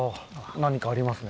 何かありますね。